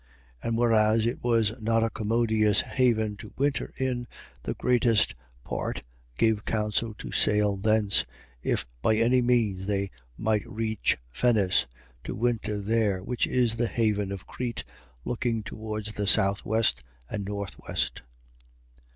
27:12. And whereas it was not a commodious haven to winter in, the greatest part gave counsel to sail thence, if by any means they might reach Phenice, to winter there, which is a haven of Crete, looking towards the southwest and northwest.